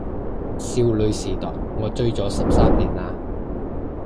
少女時代我追咗十三年喇